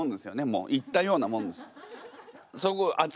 そこ行ったようなもんです。